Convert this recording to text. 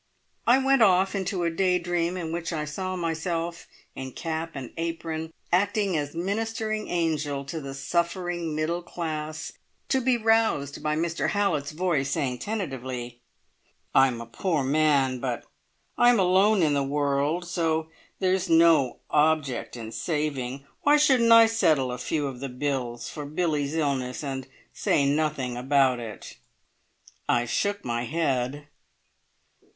I went off into a day dream in which I saw myself, in cap and apron, acting as ministering angel to the suffering middle class, to be roused by Mr Hallett's voice saying tentatively: "I'm a poor man, but I am alone in the world, so there's no object in saving. Why shouldn't I settle a few of the bills for Billie's illness and say nothing about it?" I shook my head.